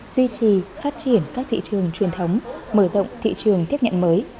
duy trì phát triển các thị trường truyền thống mở rộng thị trường tiếp nhận mới